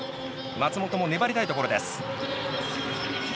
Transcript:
松本も粘りたいところです。